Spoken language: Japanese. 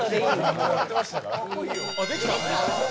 あできた？